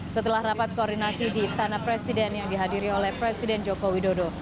setelah rapat koordinasi di istana presiden yang dihadiri oleh presiden joko widodo